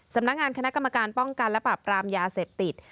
สำนักงานคณะกรรมการป้องกันและปรับปรามยาเสพติด